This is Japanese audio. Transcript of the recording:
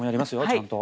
ちゃんと。